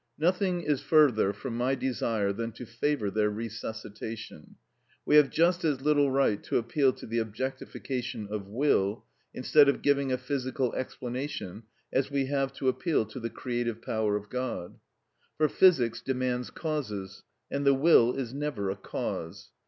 Nothing is further from my desire than to favour their resuscitation. We have just as little right to appeal to the objectification of will, instead of giving a physical explanation, as we have to appeal to the creative power of God. For physics demands causes, and the will is never a cause.